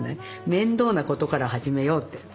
「面倒なことから始めよう」って。